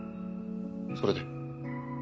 それで？